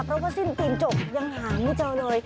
เพราะว่าสิ้นปีนจบยังหาไม่เจอเลย